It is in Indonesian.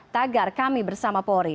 tagar kami bersama pori